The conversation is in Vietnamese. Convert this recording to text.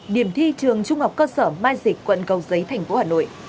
điểm thi trường trung học cơ sở mai dịch quận cầu giấy tp hà nội